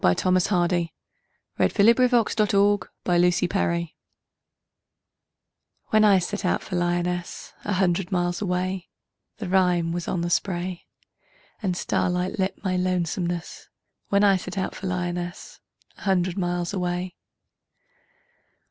Thomas Hardy When I Set Out for Lyonnesse (1870) WHEN I set out for Lyonnesse, A hundred miles away, The rime was on the spray, And starlight lit my lonesomeness When I set out for Lyonnesse A hundred miles away.